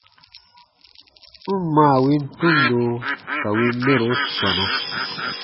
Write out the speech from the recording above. N ǹ maa win tundo ka win mɛro tɔna.